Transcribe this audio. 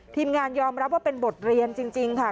ทีมงานยอมรับว่าเป็นบทเรียนจริงค่ะ